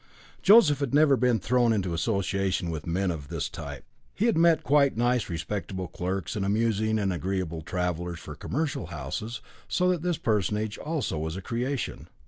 Joseph had never been thrown into association with men of quite this type. He had met nice respectable clerks and amusing and agreeable travellers for commercial houses, so that this personage also was a creation.